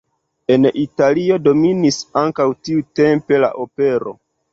En Italio dominis ankaŭ tiutempe la opero.